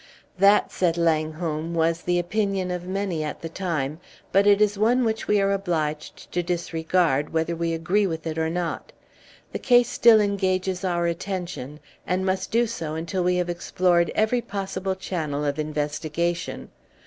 "That," said Langholm, "was the opinion of many at the time; but it is one which we are obliged to disregard, whether we agree with it or not. The case still engages our attention, and must do so until we have explored every possible channel of investigation.